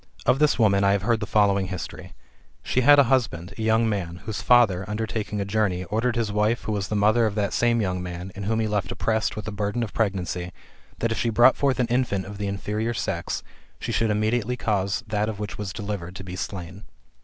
Of this woman I have heard the following history: she had a husband, [a youiig man,] whose father, undertaking a journey, ordered his wife, who was the mother of that same young man, and whom he left oppressed with the burden of pregnancy, that if she brought forth an infant of the inferior sex, she should immediately cause that of which she was delivered to be slain.